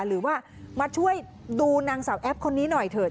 หรือว่ามาช่วยดูนางสาวแอปคนนี้หน่อยเถอะ